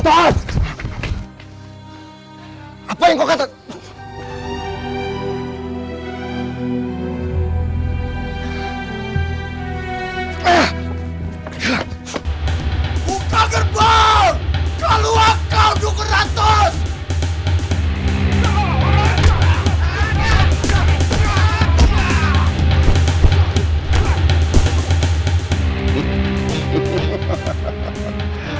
apa yang kau katakan